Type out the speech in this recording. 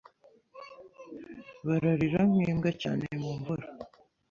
Bararira nk'imbwa cyane mu mvura